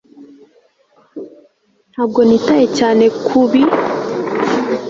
Ntabwo nitaye cyane kubi